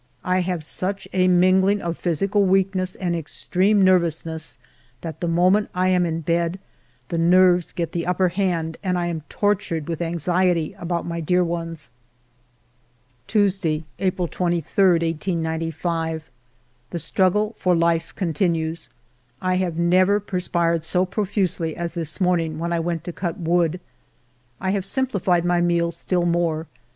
I have such a mingling of physical weakness and extreme nervousness that, the moment I am in bed, the nerves get the upper hand, and I am tortured with anxiety about my dear ones. 122 FIVE YEARS OF MY LIFE Tuesday^ April 23, 1895. The struggle for life continues ; I have never perspired so profusely as this morning when I went to cut wood. I have simplified my meals still more.